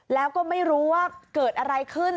แล้วก็ไม่รู้ว่าเกิดอะไรขึ้น